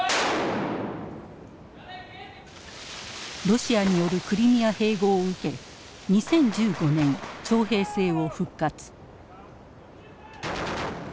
ロシアによるクリミア併合を受け２０１５年徴兵制を復活。